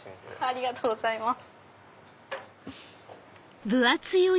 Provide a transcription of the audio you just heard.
ありがとうございます。